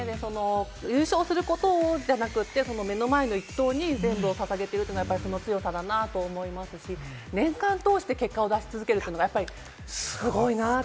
優勝することじゃなくて、目の前の１投に全部を捧げているというのは強さだなと思いますし、年間を通して結果を出し続けるというのは、すごいなと。